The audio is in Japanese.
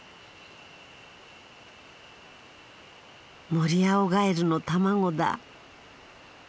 モリアオガエルの卵だ。